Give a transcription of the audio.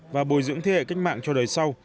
và bồi dưỡng thế hệ cách mạng cho đời sau